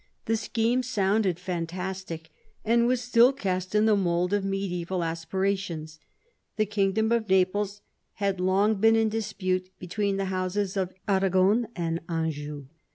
The scheme sounded fantastic, and was still cast in the mould of medisBval aspirations. The kingdom o£ Naples had long been in dispute between the houses of Arragon and Anjou.